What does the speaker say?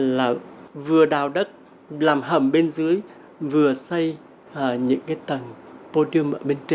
là vừa đào đất làm hầm bên dưới vừa xây những tầng podium